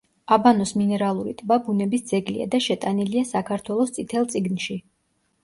აბანოს მინერალური ტბა ბუნების ძეგლია და შეტანილია საქართველოს „წითელ წიგნში“.